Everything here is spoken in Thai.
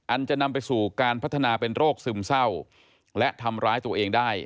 จะนำไปสู่การพัฒนาเป็นโรคซึมเศร้าและทำร้ายตัวเองได้